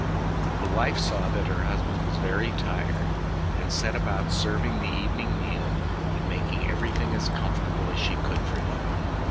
The wife saw that her husband was very tired, and set about serving the evening meal and making everything as comfortable as she could for him.